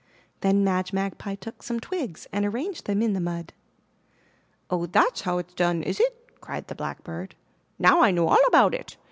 Then Madge Magpie took some twigs and arranged them in the mud. "Oh, that's how it's done, is it?" cried the Black bird. "Now I know all about it!